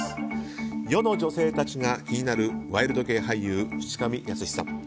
世の女性たちが気になるワイルド系俳優・淵上泰史さん。